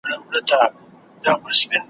طبابت یې ماته نه وو را ښودلی `